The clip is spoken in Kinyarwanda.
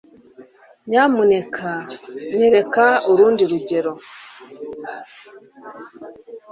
Nyamuneka nyereka urundi rugero